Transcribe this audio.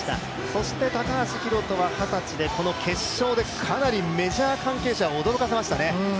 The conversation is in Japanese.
そして高橋宏斗は二十歳で決勝でかなりメジャー関係者を驚かせましたね。